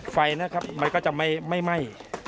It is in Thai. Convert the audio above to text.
ไฟนะครับมันก็จะไม่ไหม้